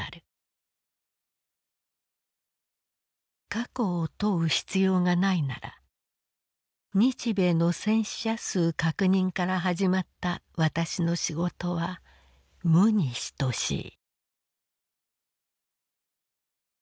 「過去を問う必要がないなら日米の戦死者数確認からはじまった私の仕事は無にひとしい」。